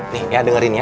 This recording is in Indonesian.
nih ya dengerin ya